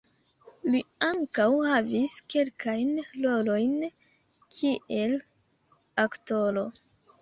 Li ankaŭ havis kelkajn rolojn kiel aktoro.